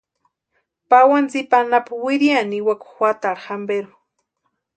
Pawani tsipa anapu wiriani niwaka juatarhu jamperu.